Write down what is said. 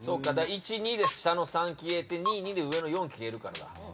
１・２で下の３消えて２・２で上の４消えるからだ。